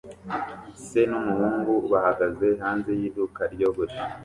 Se n'umuhungu bahagaze hanze y'iduka ryogosha